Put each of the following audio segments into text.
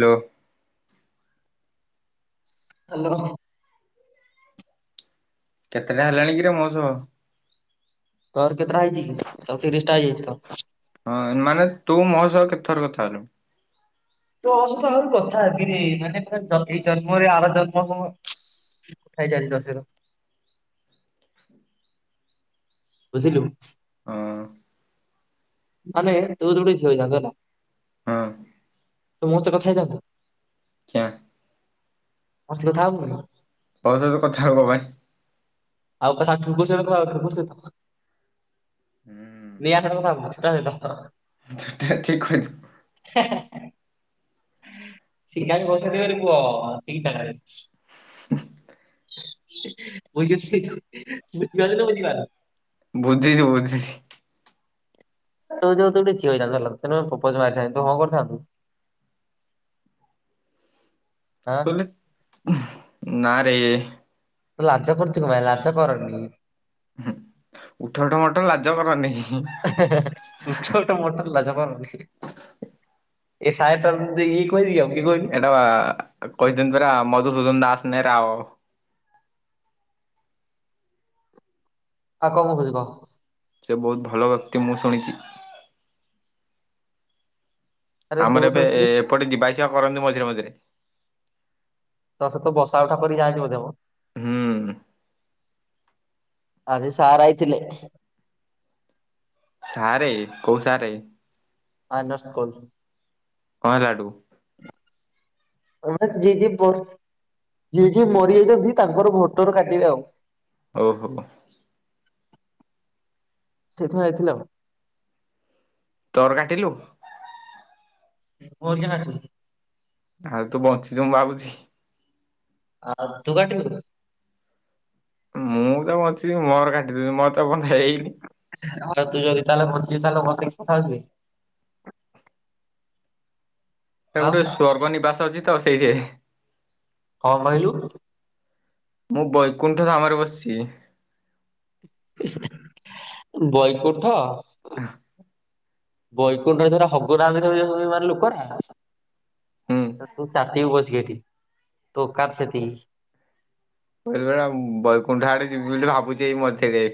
Hello. Hello. କେତେଟା ହେଲାଣି କିରେ ମୋ ସହ [unintelligible] ତୋର କେତେଟା ହେଇଚି କି ଚଉତିରିଶ ଟା ହେଇଯାଇଚି ତ। ହଁ ମାନେ ତୁ ମୋ ସହ କେତେଥର କଥା ହେଲୁ। ତୋ ସହିତ ଆଉ କଥା ହେବିରେ ମାନେ ପୁରା ଜଗେଇ ଏଇ ଜନ୍ମରେ ଆର ଜନ୍ମ ହୋ ଖାଇ ଚାଲ ଦୋସେର। [unintelligible] ବୁଝିଲୁ। ହଁ। ମାନେ ତୁ ଜଦି ଗୋଟେ ଝିଅ ହେଇଥାନ୍ତୁ ହେଲା। ହଁ। ତୁ ମୋ ସହିତ କଥା ହେଇଥାନ୍ତୁ। କ୍ୟା ମୋ ସହିତ କଥା ହୋବୁନି। ତୋ ସହିତ କଥା ହେବା ପାଇଁ। [unintelligible] ହୁଁ। ନେହା ସହିତ କଥା ହୋବୁ ତା ସହିତ। [unintelligible] ଠେ ଠିକ୍ କହିଚୁ। [unintelligible] [unintelligible] ଦେବେରେ ପୁଅ ଠିକ୍ ଜାଗାରେ। ବୁଝି [unintelligible] ବୁଝିିପାରୁଚ ନା ବୁଝିପାରିନୁ। ବୁଝିଚି ବୁଝିଚି। ତୁ ଯଦି ଗୋଟେ ଝିଅ ହେଇଥାନ୍ତୁ ହେଲା। ତତେ ମୁଁ ପ୍ରପୋଜ ମାରିଥାନ୍ତି। ତୁ ହଁ କରିଥାନ୍ତୁ? [inaudible] କଲେ [unintelligible] ନାଁ ରେ। ଲାଜ କରୁଚୁ କଂ ପାଇ ଲାଜ କରନି। ହୁଁ ଉଠ ଉଠ ମଠ ଲାଜ କରନି। [unintelligible] ଉଠ ଉଠ ମଠ ଲାଥ କରନି। ଏ ସାଏରି ଟା ତମକୁ ଇଏ କହିଚି କି ଆଉ କିଏ କହି [unintelligible] ଏଟାବା କହିଚନ୍ତି ପରା ମଧୁସୂଦନ ଦାସ ନେହେରାଓ। ଆଉ କଣ କୋହୁଚି କହ। ସେ ବୋହୁତ ଭଲ ବ୍ୟକ୍ତି ମୁଁ ଶୁଣିଚି। ଆରେ ତୁ ଆମର ତ ଏବେ ତୁ ଏପଟେ ଯିବା ଆସିବା କରନ୍ତି ମଝିରେ ମଝିରେ। ତୋ ସହିତ ବସା ଉଠା କରିଯାଆନ୍ତି ବୋଧେମ। ହୁଁ। ଆଜି ସାର୍ ଆଇଥିଲେ। ସାରେ କୋଉ ସାରେ? ମାଇନସ୍କୁଲ। କଣ ହେଲା ହେଠୁ? ଆମେ ଜିଏ ଜିଏ ବସ [unintelligible] ଯିଏ ଯିଏ ମରିଯାଇଛନ୍ତି ତାଙ୍କର ଭୋଟର କାଟିବେ ଆଉ। ଓହୋ। [inaudible] ସେଇଥି ପାଇଁ ଆଇଥିଲି ଆଉ। ତୋର କାଟିଲୁ। ମୋର କିଆଁ କାଟିବେ। ଆଉ ତୁ ବଞ୍ଚିଛୁ ମୁଁ ଭାବୁଚି। ଆଉ ତୁ କାଟିଲୁ। ମୁଁ ତ ବଞ୍ଚିବି ମୋର କାଟିଦେଵ୍ ମୋର ତ ଏପନ୍ତ ହେଇନି। [unintelligible] ତୁ ଯଦି ତାହେଲେ ବଞ୍ଚିଛୁ ତାହେଲେ ବଞ୍ଚିକି କଥା [unintelligible] ଏ ଆଉ ଗୋଟେ ସ୍ଵର୍ଗ ନିବାସ ଅଛି ତ ସେଇଠି [inaudible] କଂ କହିଲୁ। ମୁଁ ବୈକୁଣ୍ଠ ଧାମରେ ବସିଚି। ବୈଙ୍କୁଣ୍ଠ [inaudible] ବୈକୁଣ୍ଠରେ ସେରା [unintelligible] ଲୋକରା। ହୁଁ। ତ ତୁ ଚାଟିବୁ ବସିକି ହେଠି ତୋ ଓକାତ୍ ସେତିକି। [unintelligible] ବୈକୁଣ୍ଠ ଆଡେ ଯିବି ବୋଲି ଭାବୁଛି ଏଇ ମଝିରେ।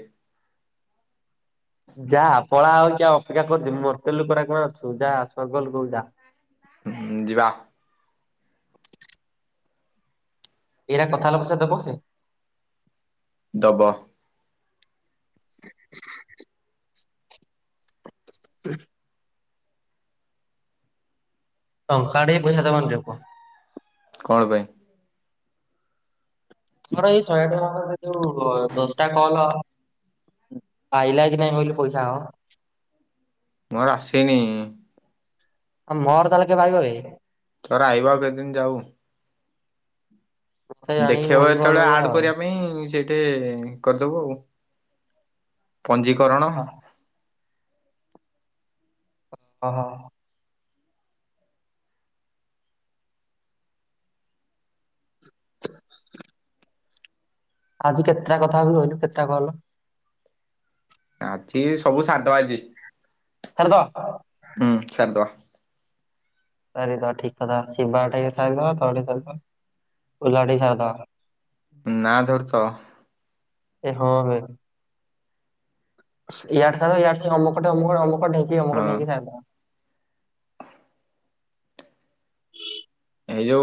ଯା ପଳା ଆଉ କିଆଁ ଅପେକ୍ଷା କରୁଚୁ ମର୍ତ୍ୟ ଲୁକ ରାକ ଅଛୁ ଯା ସ୍ୱର୍ଗ ଲୋକ କୁ ଯା। ହିଁ ଯିବା। ଏଇରା କଥା ହେଲ ପଇସା ଦବ ସେ? ଦବ। [inaudible] [inaudible] ଟଙ୍କାଟେ ପଇସା ଦବନିରେ ପୁଅ। କଣ ପାଇଁ? ସ ଆମର ଏଇ ଶହେ ଟଙ୍କା ରେ ଯୋଉ ଦଶଟା କଲ ପାଇଲା କି ନାଇଁ ବୋଇଲୁ ପଇସା ହବ। ମୋର ଆସନି? ଆଉ ମୋର ତାହେଲେ କେବେ ଆଇବ ବେ? ତୋର ଆଇବ ଆଉ କେତେଦିନ ଯାଉ। ମତେ ଜାଣିକି ଦେଖେଇବ ମହି କଲ ଯେତେବେଳେ ଆଡ କରିବା ପାଇଁ ସେ ଟେ କରିଦବୁ ଆଉ ପଞ୍ଜିକରଣ। ଓସହୋ! [inaudible] ଆଜି କେତେଟା କଥା ହେବୁ ଇଲୁ କେତେଟା କଲ୍? ଆଜି ସବୁ ସାରି ଦବା ଆଜି। ସାରିଦବା? ହୁଁ ସାରିଦବା। ସାରିଦବା ଠିକ କଥା ଶିବା ଟାବି ସାରିଦବା ତୋ ଟାବି ସାରିଦବା ଫୁଲା ଟାବି ସାରିଦବା। ନାଁ ଧରୁଚ? ଏ ହଁ ବେ [unintelligible] କି ଅମକ ଢେଙ୍କି ହଁ ସାର୍ଦେବା। ଏଇ ଯୋଉ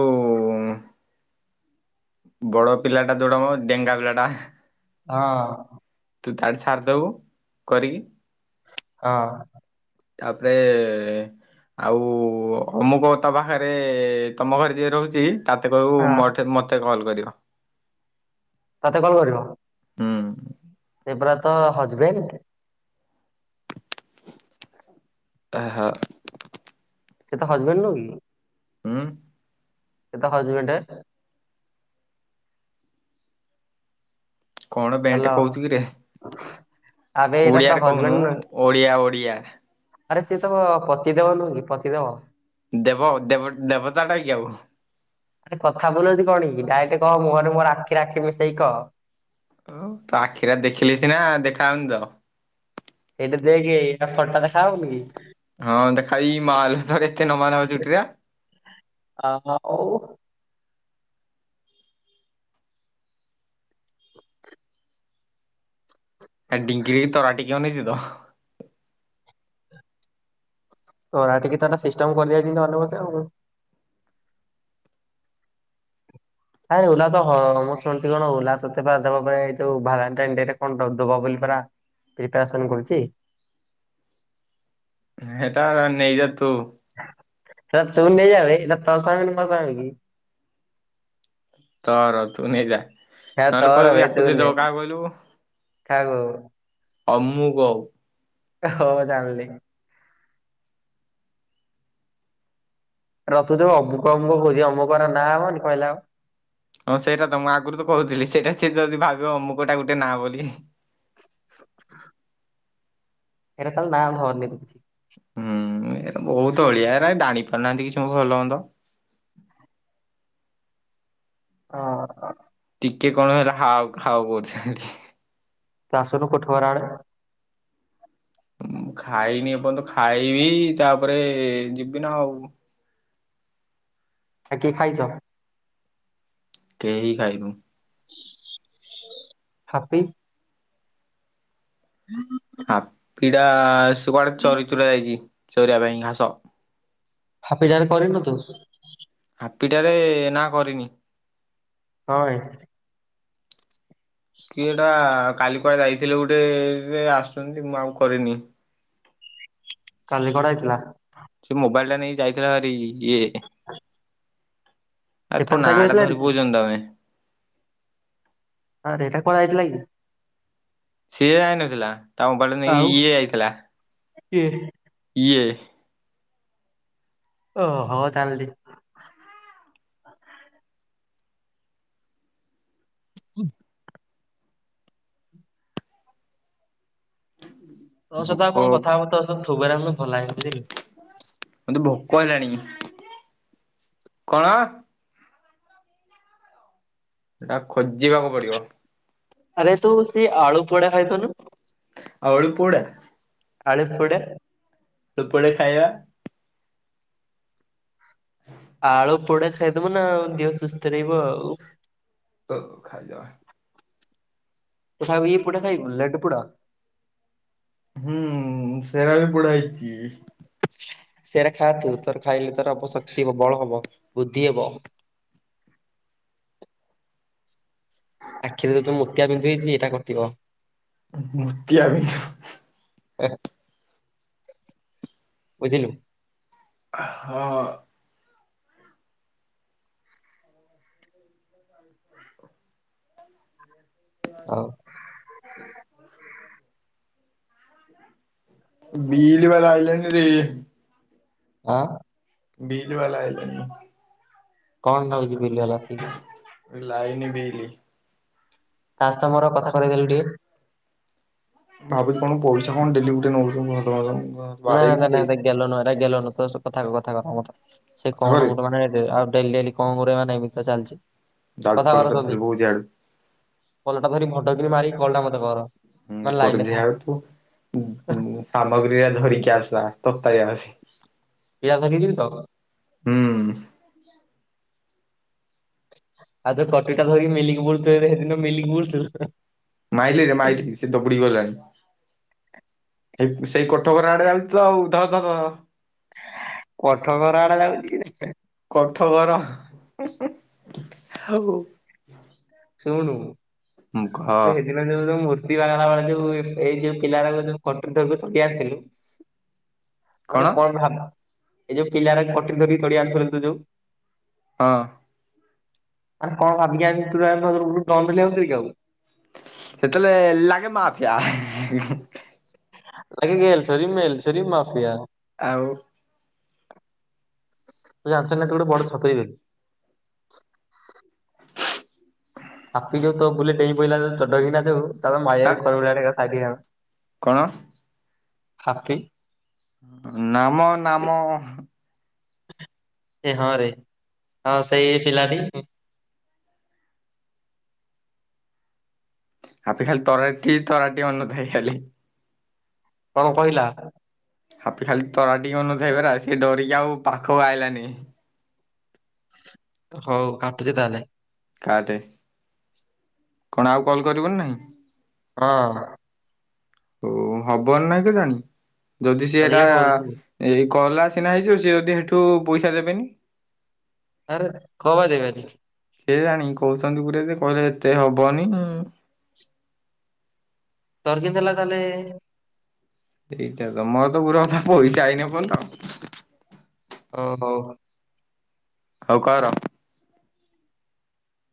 ବଡ ପିଲାଟା ଯୋଉଟାମ ଡେଙ୍ଗା ପିଲା ଟା ହଁ। ତୁ ତାଠେ ଛାରିଦବୁ କରିକି? ଅଁ। ତା'ପରେ-ଏ-ଏଁ ଆଉ ଅମକ ତା, ପାଖରେ-ଏ, ତମ ଘରେ ଯିଏ ରହୁଛି ତା'ତେ କହିବୁ, ହଁ। ମଠେ ମତେ କଲ୍ କରିବ। ତତେ କଲ କରିବ? ହୁଁ। ସେ ପରା ତ ହଜବେଣ୍ଟ! ତା ହ। ସେ ତୋ ହଜବେଣ୍ଡ ନୁହୁ କି? ଉଁ। ସେ ତ ହଜବେଣ୍ଡେ। କଣ ବେଣ୍ଟ ହାଲୋ କହୁଛୁ କିରେ! ଆବେ ଏଇଟା ତ ଓଡିଆରେ ହଜବେଣ୍ଡ କହୁନୁ ନୁହେଁ ଓଡିଆ, ଓଡିଆ! ଆରେ ସିଏ ତମ ପତିଦେବ ନୁହଁ କି ପତିଦେବ? ଦେବ, ଦେବ ଦେବତାଟା କି ଆଉ? ଆରେ କଥା ବୁଲଉଛୁ କଣ କି? ଡାଇକ୍ଟେ କହ ମୁହଁରେ ମୁହଁରେ ଆଖିରେ ଆଖି ମିଶେଇକି କହ। ତ ଆଖିରା ଦେଖିଲେ ସିନା, ଦେଖା ଆଉନି ତ? ଏଇଟା ଦେଖେ, ଏଇଟା ଫଟ ଦେଖା ହଉନି କି? ହଁ, ଦେଖାଇ ମାଲ ତର ଏତେ ନମା ନମା ଚୁଟିରା? ଆ-ଆ-ଉ। ଏ ଡିଙ୍ଗିରି କି ତରାଟିକି ଅନେଇଚୁ ତ? ତରାଟିକି ତଏନା ସିଷ୍ଟମ୍ କରିଦିଆଇଛି, ଜିଁତି ଅନେଇବ ସେ ଆଉ। ଆରେ ଓଲା ତ ହଁ, ମୁଁ ଶୁଣିୁଛି କଣ, ଓଲା ତତେ ପା ଦବା ପାଇଁ, ଯୋଉ ଭାଲେଣ୍ଟାଇନ୍ ଡେରେ କଣ ଦବ ବୋଲି ପରା? ପ୍ରିପାରେସନ୍ କରୁଚି? ହେଟା ନେଇଯା ତୁ। ସେଟା ତୁ ନେଇଯା ବେ ଏଇଟା ତୋ ସାଙ୍ଗନି, ମୋ ସାଙ୍ଗ କି? ତର, ତୁ ନେଇ ଯା। ସେଟା ନହେଲେ ତୋର କହିବୁ ବେ ୟାକୁ ତୁ ଦେଇ ନେ ଦବ କାହାକୁ କହିଲୁ! କାହାକୁ ଅମୁକ ହଅ ଜାଣିଲି। ରଥୁ ଯୋଉ ଅମୁକ ଅମୁକ କହୁଛି, ଏ ଅମୁକର ନାଁ ହବନି କହିଲା ଆଉ। ହଁ, ସେଇଟା ତ ମୁଁ ଆଗରୁ ତ କହୁଥିଲି। ସେଇଟା ସିଏ ଯଦି ଭାବିବ ଅମୁକଟା ଗୋଟେ ନାଁ ବୋଲି। ଏଇରା ଖାଲି ନାଁ ଧରନି କିଛି। ହୁଁ, ଏରା ବହୁତ ଅଳିଆ। ଏ ଜାଣି ପାରୁନାହାଁନ୍ତି, କିଛି ମ ଭଲ ମନ୍ଦ। ହଁ, ଅ। ଟିକେ କଣ ହେଲା ହାଉ ଖାଉ କରୁଛନ୍ତି। ତୁ ଆସୁନୁ କୋଥୁଘରଆଡେ? ମୁଁ ଖାଇନି, ଏପନ୍ତ ଖାଇବି। ତା'ପରେ ଯିବି ନା ଆଉ। ଆ କିଏ ଖାଇଛ? କେହିି ଖାଇନୁ। ହାପି। ହାପିଡା ସେ କୁଆଡେ ଚରିଚୁରା ଯାଇଛି, ଚରିବା ପାଇଁ ଘାସ। ହାଫିଡାରେ କରିନୁ ତୁ? ହାପିଟା ରେ ନାଁ କରିନି। ହଁ ଏ କିଏ ଏଟା କାଲି କୁଆଡେ ଯାଇଥିଲେ ଗୋଟେ ସେ ଆସୁଛନ୍ତି ମୁଁ ଆଉ କରିନି। କାଲି କଡା ହେଇଥିଲା। ସେ ମୋବାଇଲ୍ ଟା ନେଇ ଯାଇଥିଲା ଭାରି ଇଏ ଏ ତା ଏପଟ ନାଁ ସାଇକ ଟା ହେଇଥିଲା ଧରି କି କହୁଚନ୍ତି ତୋମେ। ଆରେ ଏଟା କୁଆଡେ ଆଇଥିଲା କି? ସିଏ ଯାଇନଥିଲା ତା ମୋବାଇଲ୍ ଟା ନେଇକି ଆଉ ଇଏ ଯାଇଥିଲା। କିଏ? ଇଏ। ଓ ହୋ ଜାଣିଲି। ତ ସହିତ ଆଉ ଭୋକ କଣ କଥାବାର୍ତ୍ତା ତ ଥୁବାର ଆମ ଭଲ [unintelligible] ବୁଝିଲୁ। ମୋତେ ଭୋକ ହେଲାଣି। କଣ? ସେଟା ଖୋଜିବାକୁ ପଡିବ। ଆରେ ତୁ ସି ଆଳୁ ପୋଡ ଖାଇ ଦଉନୁ। ଆଳୁ ପୁଡା। ଆଳୁ ପୁଡ଼ା। ତୁ ପୁଳି ଖାଇବା। ଆଳୁ ପୋଡା ଖାଇଦବ ନା ଆଉ ଦେହ ସୁସ୍ଥ ରହିବ ଆଉ। ତ ଖାଇ ଦେବା। ତଥାବି ଏ ପୁଡା ଖାଇବୁ ଲଡୁ ପୁଡା? ହୁଁ, ସେରା ବି ପୁଡା ହେଇଚି। ସେରା ଖାଆନ୍ତୁ ତୋର ଖାଇଲେ ତୋର ଅବଶକ୍ତି ଓ ବଳ ହବ। ବୃଦ୍ଧି ହେବ। ଆଖିରେ ଯୋଉ ତ ମୋତିଆବିନ୍ଦୁ ହେଇଛି ଏଟା କଟିବ। ଅ, ହଁ ମୋତିଆ ବିନ୍ଦୁ। ଏ ବୁଝିଲୁ? ଆ, ହଁ। ଆଉ। [inaudible] ବିଡି ବାଲା ଆଇଲେଣିରେ। ଆଁ, ବିଲ୍ ବାଲା ଆଇଲେଣି। କଣ ନଉଚି ବିଲ୍ ବାଲା ଆସିକି? ଏ ଲାଇନି ବିିଲି। ତା ସହିତ ମୋର କଥା କରେଇଦେଲୁ ଟିକେ। ଭାବୁଚି କଣ ପଇସା କଣ ଡେଲି ଗୋଟେ ନଉଚୁ [inaudible] ନା, ନା, ନା ଏଟା ଗେଲ ନୁହଁ, ଏଟା ଗେଲ ନୁହଁ, ତ ସହିତ କଥା ହେବେ କଥା ହେବେ ଆପଣ କଥା ସେ କଥା କଣ କରେ। ଗୋଟେ ମାନେ ଡେ ଆଉ ଡେଲି ଡେଲି କଣ ଗୋଟେ ମାନେ ଏମିତି ତ ଚାଲିଛି। ଡାଉଟ୍ କଥା କଲର ଧରିବୁ [unintelligible] ଯଆଡୁ ପଲଟା ଧରି ଫଟୋ ଉଠେଇ ମାରିକି କଲ୍ ଟା ମୋତେ କର। ହୁଁ, ମାନେ ଲାଇନରେ କରୁଛି ଥା ଆଉ ତୁ ଉଁ, ହୁଁ, ସାମଗ୍ରୀ ଆ ଧରିକି ଆସ ଆ ତତାଇ ଆସ। ଇଆ ଧରିକି ଯିବି ତ? ହୁଁ। ଆଉ [unintelligible] ଧରିକି ମିଲିକି ବୁଷ୍ଟ ସେ ଦିନ ମିଲିକି ବୁଷ୍ଟ। ମାଇଲି ରେ ମାଇଲି ସେ ଦବୁଡ଼ି ଗଲାଣି। ଏହି ସେଇ କୋଠଘର ଆଡେ ଯାଉଛି ତ ଆଉ ଧ ଧ ଧ ଧର। କୋଠଘର ଆଡେ ଯାଉଛି କିରେ। କୋଠଘର ଆଉ ଶୁଣୁ ମୁଁ ଘ ଏ ଯୋଉ ମୂର୍ତ୍ତି ବାଗେଇଲା ବେଳେ ଯୋଉ ଏଇ ଯୋଉ ପିଲା ଡାଗୁକ ଯୋଉ କଟୁରି ଧରିକି ତଡି ଆସିଲୁ ମାନେ କଣ ଭାବୁ ଏଇ ଯୋଉ ପିଲାରା କଟୁରି ଧରିକି ତଡି ଆଣୁଥିଲେ ତତେ ଯୋଉ ହଁ। ଆରେ କଣ [unintelligible] କି ଆଉ। ସେତେବେଳେ ଲାଗେ ମାଫିଆ। [unintelligible] ମାଫିଆ। ଆଉ ତୁ ଜାଣିଚୁନା ତୁ ଗୋଟେ ବଡ ଛପେଇ ବୋଲି। ହାପି ଯୋଉ ତୋ ବୁଲେ ଉପରେ ଡେଇଁ ପଡ଼ିଲା ଆଁ [unintelligible] କଣ? ହାପି ନା ମ ନା ମ ଏ ହଁ ରେ ହଁ ସେଇ ଏ ପିଲାଟି ହାପି ଖାଲି ତରାଟି ତରାଟି ଅନଉ ଥାଏ ଖାଲି। କଣ କହିଲା? ହାପି ଖାଲି ତରାଟି ଅନଉଥାଇ ପରା ସିଏ ଡରିକି ଆଉ ପାଖକୁ ଆଇଲାନି। ହଉ କାଟୁଛି ତାହେଲେ। କାଟେ, କଣ ଆଉ କଲ୍ କରିବୁନି ନାହିଁ? କହ ଓ ହବନି ନାଇଁ କେଜାଣି ଯଦି ସିଏ ଅଧିକା ଏଟା-ଆ-ଆ କରୁଥିଲି ଏଇ କଲା ସିନା ହେଇଯିବ ସିଏ ଯଦି ସେଠୁ ପଇସା ଦେବେନି। ଆରେ କଣ ପାଇଁ ଦେବେନି? କେଜାଣି କହୁଛନ୍ତି ପୁରା ଯେ କହିଲେ ଏତେ ହବନି-ଇ-ଇ। ତୋର କେନିନ୍ତି ହେଲା ତାହେଲେ? ଏଇଟା ତ ମୋର ତ ପୁରା କଥା ପଇସା ଆଇନି ଏପ୍ରଯ୍ୟନ୍ତ। ଓ ହୋ। ହଉ କର।